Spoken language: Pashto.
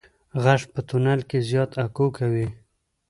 غږ په تونل کې زیات اکو کوي.